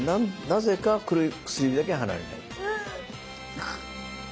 なぜか薬指だけ離れない。